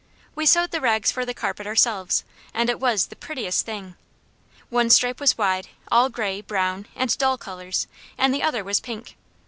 We sewed the rags for the carpet ourselves, and it was the prettiest thing. One stripe was wide, all gray, brown, and dull colours, and the other was pink.